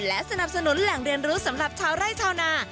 และสนับสนุนแหล่งเรียนรู้สำหรับชาวไร่ชาวนา